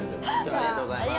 ありがとうございます！